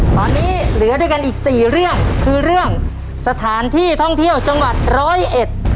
ตอนนี้เหลือด้วยกันอีกสี่เรื่องคือเรื่องสถานที่ท่องเที่ยวจังหวัดร้อยเอ็ด